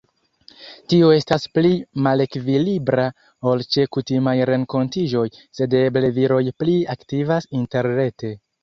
Tio estas pli malekvilibra ol ĉe kutimaj renkontiĝoj, sed eble viroj pli aktivas interrete.